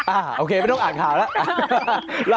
โอเคไม่ต้องอ่านข่าวแล้ว